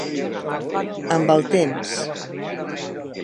Amb el temps.